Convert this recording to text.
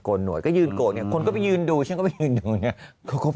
โกนหนวดก็ยืนโกนเนี่ยคนก็ไปยืนดูฉันก็ไปยืนดูเนี่ย